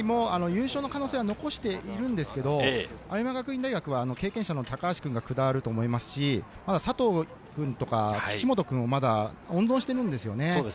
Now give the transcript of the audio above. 優勝の可能性は残しているんですけれど青山学院大学は経験者の高橋君が下ると思いますし、佐藤君とか岸本君も温存しているんですよね。